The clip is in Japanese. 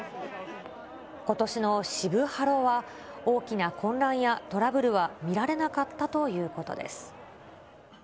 ことしの渋ハロは、大きな混乱やトラブルは見られなかったということです。